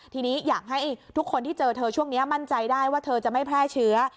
ทีนี้อยากให้ทุกคนที่เจอเธอช่วงนี้มั่นใจได้ว่าเธอจะไม่แพร่เชื้อ